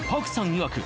いわく